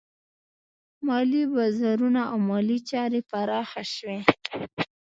مالي بازارونه او مالي چارې پراخه شوې.